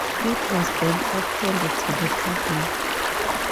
It was then opened to the public.